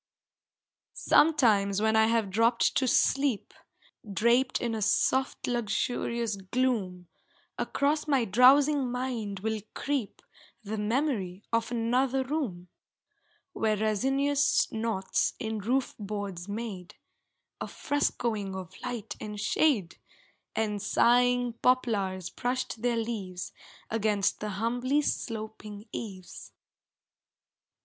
Sometimes when I have dropped to sleep, Draped in a soft luxurious gloom, Across my drowsing mind will creep The memory of another room, Where resinous knots in roof boards made A frescoing of light and shade, And sighing poplars brushed their leaves Against the humbly sloping eaves.